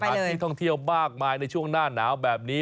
ที่ท่องเที่ยวมากมายในช่วงหน้าหนาวแบบนี้